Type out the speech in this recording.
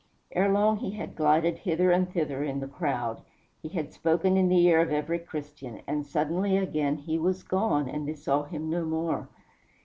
Erelong he had glided hither and thither in the crowd; he had spoken in the ear of every Christian and suddenly again he was gone, and they saw him no more.